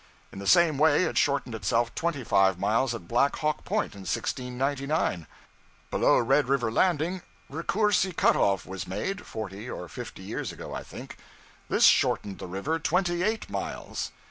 In the same way it shortened itself twenty five miles at Black Hawk Point in 1699. Below Red River Landing, Raccourci cut off was made (forty or fifty years ago, I think). This shortened the river twenty eight miles.